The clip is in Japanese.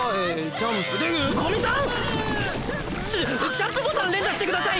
ジャジャンプボタン連打してください